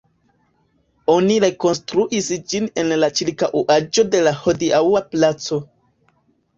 Oni rekonstruis ĝin en la ĉirkaŭaĵo de la hodiaŭa "Placo".